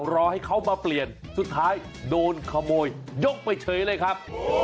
รอให้เขามาเปลี่ยนสุดท้ายโดนขโมยยกไปเฉยเลยครับ